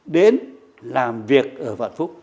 đến làm việc ở vạn phúc